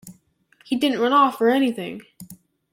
He didn't run off, or anything.